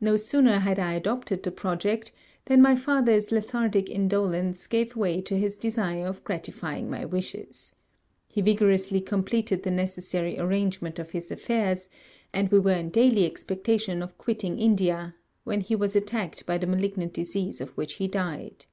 No sooner had I adopted the project than my father's lethargic indolence gave way to his desire of gratifying my wishes. He vigorously completed the necessary arrangement of his affairs; and we were in daily expectation of quitting India, when he was attacked by the malignant disease of which he died.